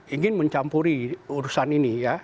ingin mencampuri urusan ini ya